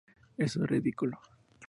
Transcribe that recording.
Eso es ridículo.